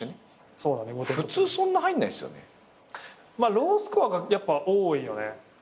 ロースコアがやっぱ多いよね。